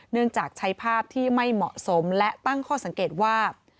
จากใช้ภาพที่ไม่เหมาะสมและตั้งข้อสังเกตว่า